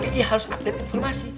iya harus update informasi